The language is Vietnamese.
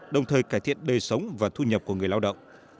đồng thời cải thiện đời sống và thu nhập của người lao động